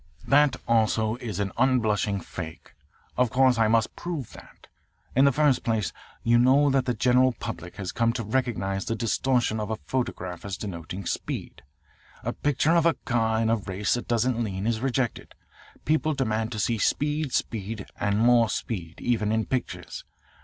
That also is an unblushing fake. Of course I must prove that. In the first place, you know that the general public has come to recognise the distortion of a photograph as denoting speed. A picture of a car in a race that doesn't lean is rejected people demand to see speed, speed, more speed even in pictures.